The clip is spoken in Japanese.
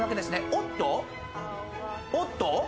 おっと！？